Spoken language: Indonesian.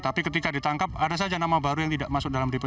tapi ketika ditangkap ada saja nama baru yang tidak masuk dalam dpp